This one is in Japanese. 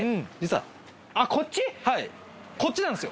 はいこっちなんですよ